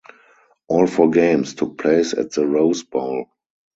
All four games took place at the Rose Bowl.